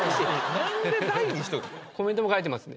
何で「大」にコメントも書いてますね